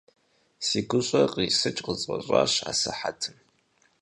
Си гущӀэр кърисыкӀ къысфӀэщӀащ асыхьэтым.